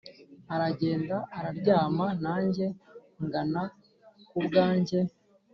Aragenda araryama Nanjye ngana ku bwanjye.